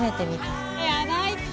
これ、やばいって！